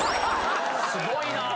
すごいな！